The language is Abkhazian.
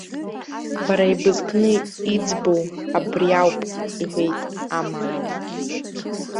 Бара ибызкны иӡбоу абри ауп,- иҳәеит амаалықь.